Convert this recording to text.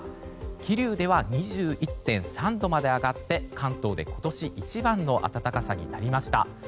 桐生では２１．３度まで上がって関東で今年一番の暖かさになりました。